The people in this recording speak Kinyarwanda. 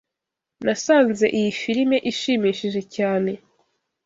Nasanze iyi firime ishimishije cyane.